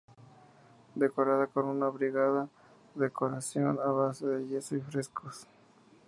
Decorada con una abigarrada decoración a base de yeso y frescos.